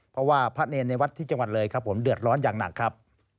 เพราะว่าพระเนรในวัดที่จังหวัดเลยครับผมเดือดร้อนอย่างหนักครับ